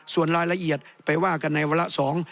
ส่วนรายละเอียดไปว่ากันในวาระสอง